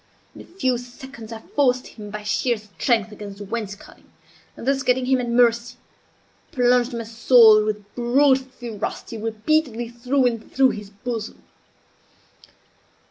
In a few seconds I forced him by sheer strength against the wainscoting, and thus, getting him at mercy, plunged my sword, with brute ferocity, repeatedly through and through his bosom.